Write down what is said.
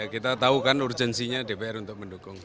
kita tahu kan urgensinya dpr untuk mendukung